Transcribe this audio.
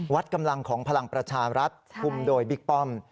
วัดกำลังของพลังประชารัฐคุมโดยบิ๊กป้อม